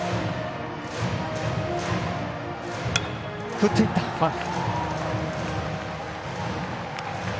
振っていった、ファウル。